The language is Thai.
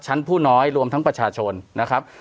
ชั้นผู้น้อยรวมทั้งประชาชนนะครับ